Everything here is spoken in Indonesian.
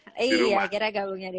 akhirnya gabung juga nih